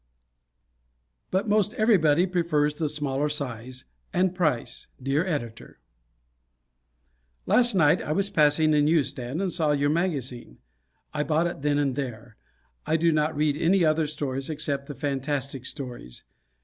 But Most Everybody Prefers the Smaller Size and Price! Dear Editor: Last night I was passing a newsstand and saw your magazine. I bought it then and there. I do not read any other stories except the fantastic stories.